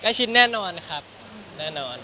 ชิ้นแน่นอนครับแน่นอน